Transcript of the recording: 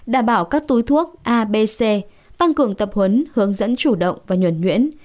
đảm bảo các túi thuốc abc tăng cường tập huấn hướng dẫn chủ động và nhuẩn nhuyễn